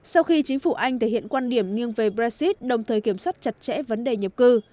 sau khi chính phủ anh thể hiện quan điểm nghiêng về brexit đồng thời kiểm soát chặt chẽ vấn đề nhập cư